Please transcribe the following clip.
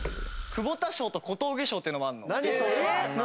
久保田賞と小峠賞っていうのもあるの？